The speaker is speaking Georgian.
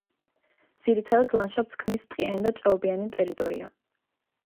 ძირითად ლანდშაფტს ქმნის ტყიანი და ჭაობიანი ტერიტორია.